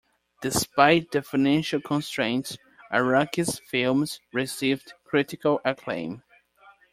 Despite the financial constraints, Araki's films received critical acclaim.